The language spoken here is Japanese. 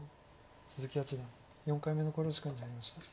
鈴木八段４回目の考慮時間に入りました。